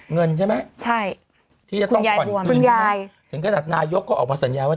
เงินใช่ไหมคุณยายรวมนะครับถึงขนาดนายกก็ออกมาสัญญาว่า